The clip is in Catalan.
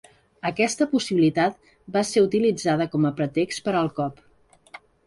Aquesta possibilitat va ser utilitzada com a pretext per al cop.